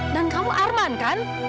dan kamu arman kan